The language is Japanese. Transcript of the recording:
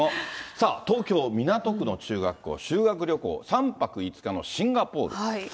さあ東京・港区の中学校、修学旅行、３泊５日のシンガポール。